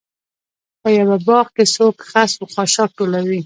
په یوه باغ کې څوک خس و خاشاک ټولوي.